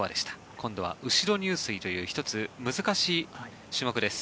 今度は後ろ入水という１つ難しい種目です。